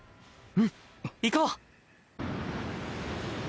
うん行こう。